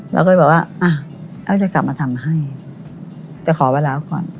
เราก็เลยบอกว่าอ่ะก็จะกลับมาทำให้แต่ขอเวลาก่อน